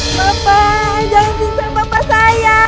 bapak jangan susah bapak saya